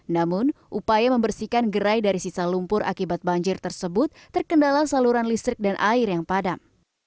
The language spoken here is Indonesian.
namun upaya membersihkan gerai dari sisa lumpur akibat banjir tersebut terkendala saluran listrik dan air yang padam